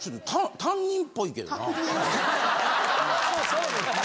そうですね。